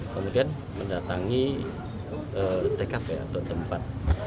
kemudian mendatangi tkp atau tempat